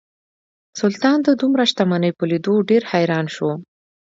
سلطان د دومره شتمنۍ په لیدو ډیر حیران شو.